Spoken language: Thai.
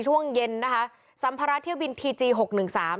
ช่วงเย็นนะคะสัมภาระเที่ยวบินทีจีหกหนึ่งสาม